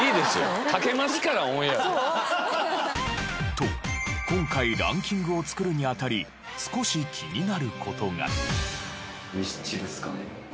と今回ランキングを作るにあたり少し気になる事が。